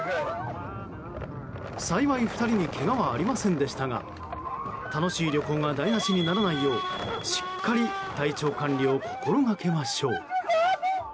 幸い２人にけがはありませんでしたが楽しい旅行が台なしにならないようしっかり体調管理を心がけましょう。